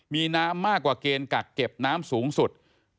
มีน้ำมากกว่าเกณฑ์กักเก็บน้ำสูงสุด